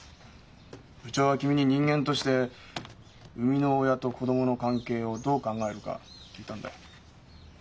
部長は君に人間として生みの親と子供の関係をどう考えるか聞いたんだよ。